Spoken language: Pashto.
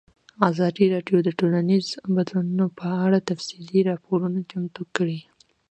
ازادي راډیو د ټولنیز بدلون په اړه تفصیلي راپور چمتو کړی.